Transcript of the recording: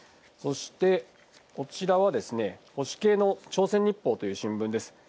そしてこちらは、保守系の朝鮮日報という新聞です。